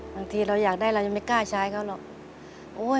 บางทีเราอยากได้เรายังไม่กล้าใช้เขาหรอก